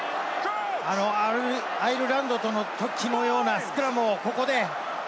アイルランドとのときのようなスクラムをここで。